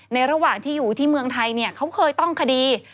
ระหว่างที่อยู่ที่เมืองไทยเขาเคยต้องคดี